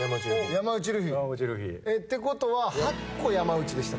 山内ルフィ。ってことは８個山内でした。